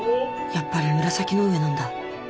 やっぱり紫の上なんだ。